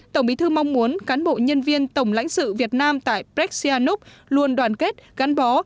tổng bí thư mong muốn cán bộ nhân viên tổng lãnh sự việt nam tại brexianov luôn đoàn kết gắn bó